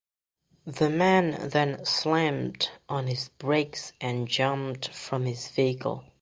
The man then slammed on his brakes and jumped from his vehicle.